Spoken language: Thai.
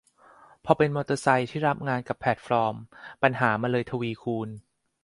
พอเป็นมอเตอร์ไซค์ที่รับงานกับแพลตฟอร์ม ปัญหามันเลยทวีคูณ